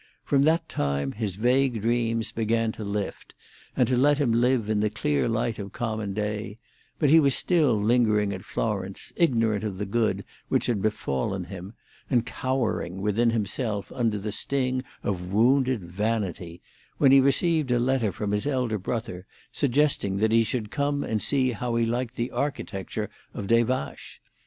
From that time his vague dreams began to lift, and to let him live in the clear light of common day; but he was still lingering at Florence, ignorant of the good which had befallen him, and cowering within himself under the sting of wounded vanity, when he received a letter from his elder brother suggesting that he should come and see how he liked the architecture of Des Vaches.